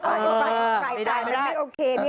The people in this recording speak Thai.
ฝ่ายไปฝ่ายไปมันไม่โอเคเนี่ย